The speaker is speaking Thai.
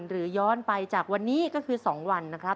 ย้อนไปจากวันนี้ก็คือ๒วันนะครับ